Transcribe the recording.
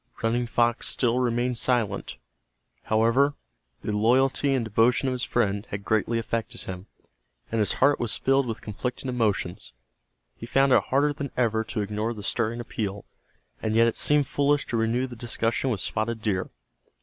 Running Fox still remained silent. However, the loyalty and devotion of his friend had greatly affected him, and his heart was filled with conflicting emotions. He found it harder than ever to ignore the stirring appeal, and yet it seemed foolish to renew the discussion with Spotted Deer.